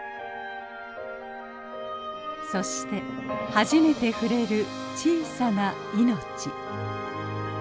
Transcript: そして初めて触れる小さな命。